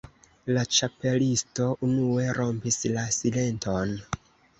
La Ĉapelisto unue rompis la silenton.